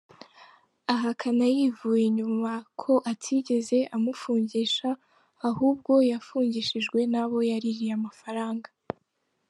Ahakana yivuye inyuma ko atigeze amufungisha, ahubwo yafungishijwe n’abo yaririye amafaranga.